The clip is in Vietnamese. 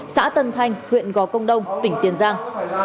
xã tân thanh huyện gò công đông tỉnh tiền giang